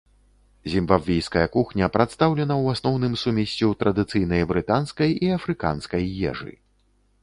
Зімбабвійская кухня прадстаўлена ў асноўным сумессю традыцыйнай брытанскай і афрыканскай ежы.